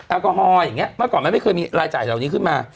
แอลกอฮอล์อย่างนี้เมื่อก่อนมันไม่เคยมีรายจ่ายเหล่านี้ขึ้นมา